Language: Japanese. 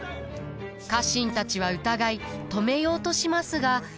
家臣たちは疑い止めようとしますが。